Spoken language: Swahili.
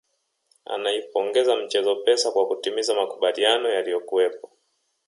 Anaipongeza mchezo Pesa kwa kutimiza makubaliano yaliyokuwepo